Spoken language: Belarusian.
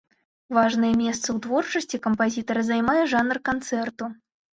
Важнае месца ў творчасці кампазітара займае жанр канцэрту.